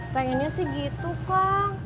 pengennya sih gitu kang